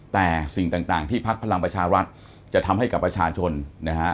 แต่สิ่งต่างที่พักพลังประชารัฐจะทำให้กับประชาชนนะฮะ